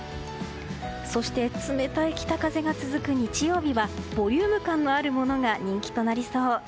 そして冷たい北風が続く日曜日はボリューム感のあるものが人気となりそう。